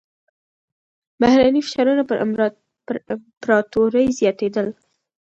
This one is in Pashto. بهرني فشارونه پر امپراتورۍ زياتېدل.